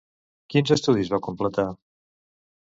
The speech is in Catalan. Quins estudis va completar?